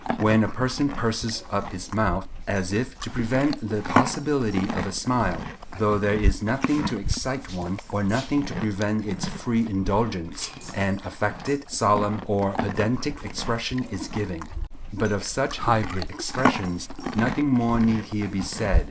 When a person purses up his mouth, as if to prevent the possibility of a smile, though there is nothing to excite one, or nothing to prevent its free indulgence, an affected, solemn, or pedantic expression is given; but of such hybrid expressions nothing more need here be said.